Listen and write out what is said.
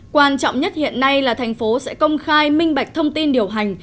quan trọng nhất hiện nay là thành phố sẽ công khai minh bạch thông tin điều hành